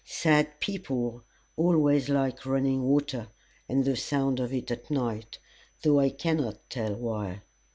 Sad people always like running water and the sound of it at night, though I cannot tell why.